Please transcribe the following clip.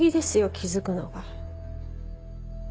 気付くのが。